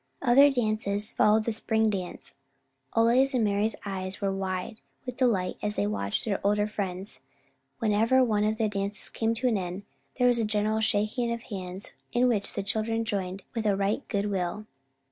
Other odd dances followed the Spring Dance. Ole's and Mari's eyes were wide open with delight as they watched their older friends. Whenever one of the dances came to an end, there was a general shaking of hands in which the children joined with a right good will.